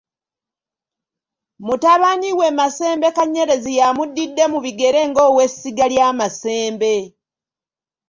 Mutabani we, Masembe Kanyerezi y'amudidde mu bigere ng'owessiga lya Masembe.